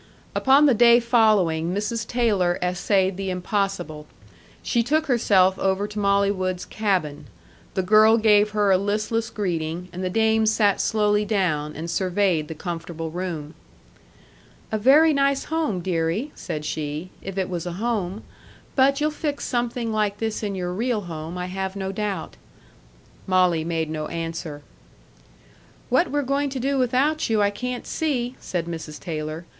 Upon the day following Mrs. Taylor essayed the impossible. She took herself over to Molly Wood's cabin. The girl gave her a listless greeting, and the dame sat slowly down, and surveyed the comfortable room. "A very nice home, deary," said she, "if it was a home. But you'll fix something like this in your real home, I have no doubt." Molly made no answer. "What we're going to do without you I can't see," said Mrs. Taylor.